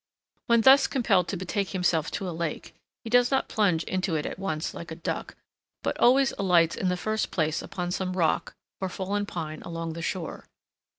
When thus compelled to betake himself to a lake, he does not plunge into it at once like a duck, but always alights in the first place upon some rock or fallen pine along the shore.